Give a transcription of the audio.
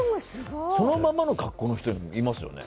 そのままの格好の人いますよね。